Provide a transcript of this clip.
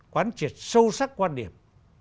quán triệt sâu sắc quan điểm